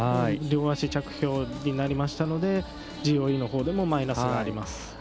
両足着氷になりましたのでＧＯＥでもマイナスになります。